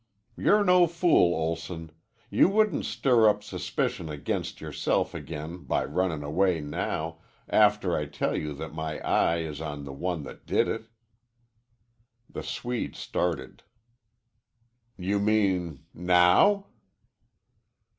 "You're no fool, Olson. You wouldn't stir up suspicion against yourself again by runnin' away now, after I tell you that my eye is on the one that did it." The Swede started. "You mean now?"